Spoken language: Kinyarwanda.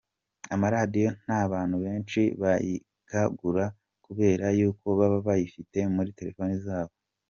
Amaradiyo nta bantu benshi bakiyagura kubera yuko baba bayifitiye muri talefone zabo.